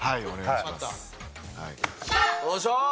よいしょ！